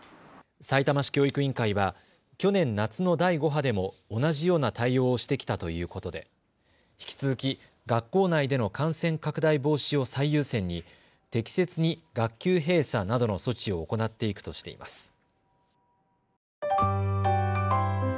さいたま市教育委員会は去年夏の第５波でも同じような対応をしてきたということで引き続き学校内での感染拡大防止を最優先に適切に学級閉鎖などの措置を行っていくとしています。